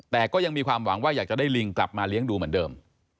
แต่ก็ยังมีความหวังว่าอยากจะได้ลิงกลับมาเลี้ยงดูเหมือนเดิม